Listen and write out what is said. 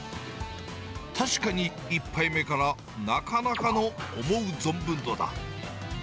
確かに１杯目からなかなかの思う存分度だ。